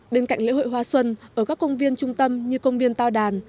bên cạnh lễ hội hoa xuân ở các công viên trung tâm như công viên tàu đàn